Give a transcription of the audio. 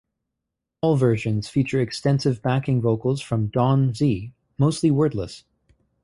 All versions feature extensive backing vocals from Dawn Zee, mostly wordless.